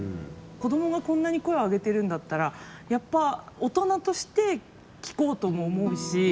子どもがこんなに声を上げてるんだったら大人として聞こうとも思うし。